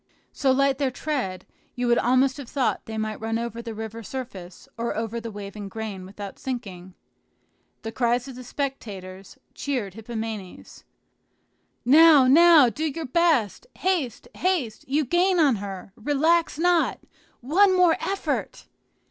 So light their tread, you would almost have thought they might run over the river surface or over the waving grain without sinking. The cries of the spectators cheered Hippomenes, "Now, now, do your best! haste, haste! you gain on her! relax not! one more effort!"